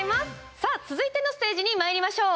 さあ、続いてのステージにまいりましょう。